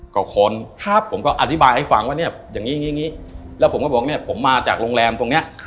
กว่าคนผมก็อธิบายให้ฟังว่าเนี่ยอย่างนี้แล้วผมก็บอกเนี่ยผมมาจากโรงแรมตรงนี้